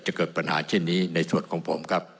จะเกิดปัญหาเช่นนี้ในส่วนของผมครับ